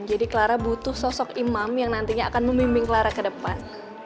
clara butuh sosok imam yang nantinya akan memimbing clara ke depan